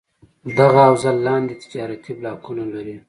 دغه حوزه لاندې تجارتي بلاکونه لري: